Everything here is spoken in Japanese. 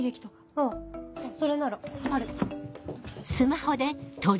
あぁそれならある。